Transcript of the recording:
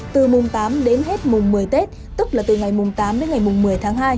từ mùng tám đến hết mùng một mươi tết tức là từ ngày mùng tám đến ngày mùng một mươi tháng hai